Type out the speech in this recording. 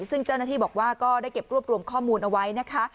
ซึ่งเจ้าหน้าที่บอกว่าก็ได้เก็บรวบรวมข้อมูลเอาไว้นะคะ